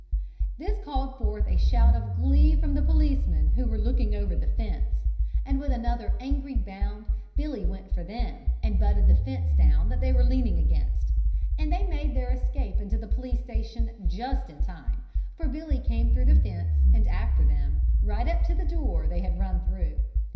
This called forth a shout of glee from the policemen who were looking over the fence, and with another angry bound Billy went for them and butted the fence down that they were leaning against, and they made their escape into the police station just in time, for Billy came through the fence and after them, right up to the door they had run through.